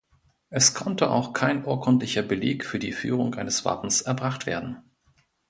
Es konnte auch kein urkundlicher Beleg für die Führung eines Wappens erbracht werden.